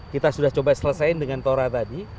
kita sudah coba selesaikan dengan tora tadi